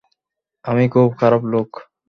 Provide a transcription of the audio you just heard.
আমি খুব খারাপ লোক।